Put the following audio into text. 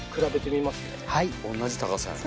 同じ高さやんな。